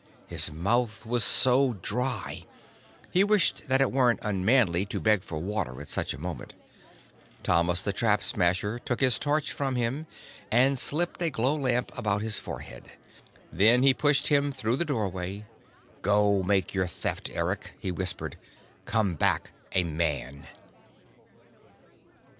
His mouth was so dry! He wished that it weren't unmanly to beg for water at such a moment. Thomas the Trap Smasher took his torch from him and slipped a glow lamp about his forehead. Then he pushed him through the doorway. "Go make your Theft, Eric," he whispered. "Come back a man."